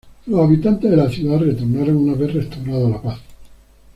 Los habitantes de la ciudad retornaron una vez restaurada la paz.